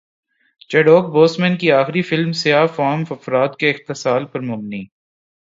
Chadwick Boseman کی اخری film سیاہ فام افراد کے استحصال پر مبنی